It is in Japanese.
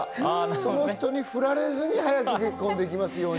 その人に振られずに早く結婚できますように。